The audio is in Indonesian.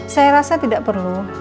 saya rasa tidak perlu